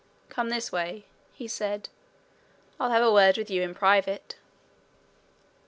"Come this way," he said. "I'll have a word with you in private."